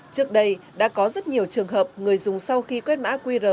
trước đây đã có rất nhiều trường hợp người dùng sau khi quét mã qr